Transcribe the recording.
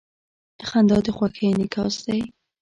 • خندا د خوښۍ انعکاس دی.